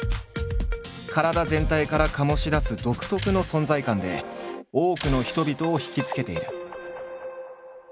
体全体から醸し出す独特の存在感で多くの人々を惹きつけている。